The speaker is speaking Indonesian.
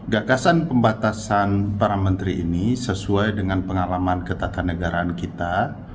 gagasan pembatasan para menteri ini sesuai dengan pengalaman ketatanegaraan kita